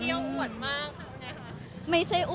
มันเป็นปัญหาจัดการอะไรครับ